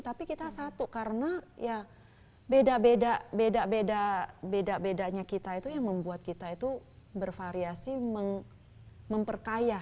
tapi kita satu karena ya beda beda bedanya kita itu yang membuat kita itu bervariasi memperkaya